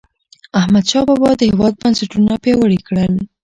احمدشاه بابا د هیواد بنسټونه پیاوړي کړل.